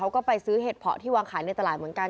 เขาก็ไปซื้อเห็ดเพาะที่วางขายในตลาดเหมือนกัน